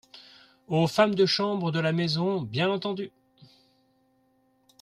Aux femmes de chambre de la maison, bien entendu !